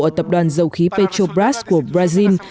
ở tập đoàn dầu khí petrobras của brazil